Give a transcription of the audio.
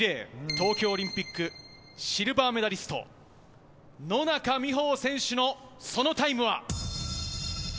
東京オリンピックシルバーメダリスト、野中生萌選手のそのタイムは。